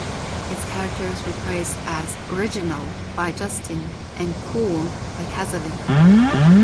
Its characters were praised as "original" by Justin and "cool" by Kasavin.